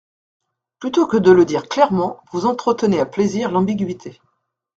Plutôt que de le dire clairement, vous entretenez à plaisir l’ambiguïté.